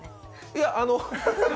いや、あの。